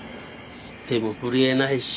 手も震えないし。